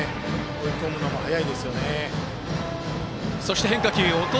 追い込むのも早いですよね。